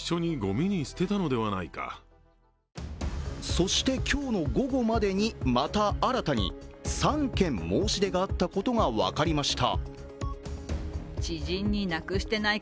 そして、今日の午後までにまた新たに３件申し出があったことが分かりました。